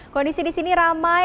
kondisi di sini ramai